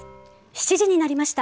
７時になりました。